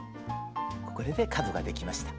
これで角ができました。